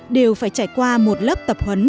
đều phải trải qua một lớp tập huấn